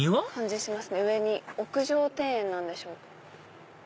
屋上庭園なんでしょうか。